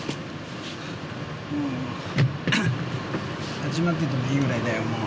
始まっててもいいくらいだよ、もう。